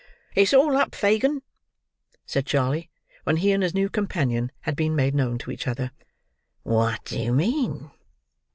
"It's all up, Fagin," said Charley, when he and his new companion had been made known to each other. "What do you mean?"